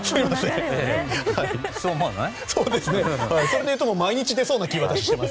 そう思わない？